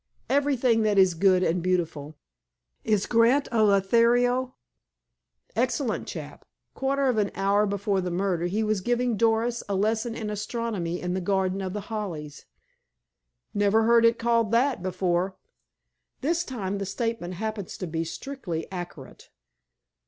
"Everything that is good and beautiful." "Is Grant a Lothario?" "Excellent chap. Quarter of an hour before the murder he was giving Doris a lesson in astronomy in the garden of The Hollies." "Never heard it called that before." "This time the statement happens to be strictly accurate."